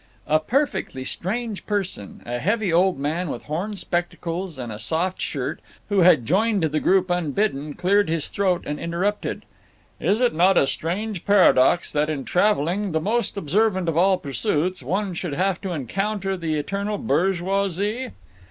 A perfectly strange person, a heavy old man with horn spectacles and a soft shirt, who had joined the group unbidden, cleared his throat and interrupted: "Is it not a strange paradox that in traveling, the most observant of all pursuits, one should have to encounter the eternal bourgeoisie!"